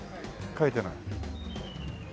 書いてない。